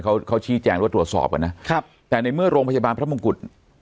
เขาเขาชี้แจงหรือว่าตรวจสอบกันนะครับแต่ในเมื่อโรงพยาบาลพระมงกุฎ